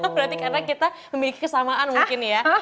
berarti karena kita memiliki kesamaan mungkin ya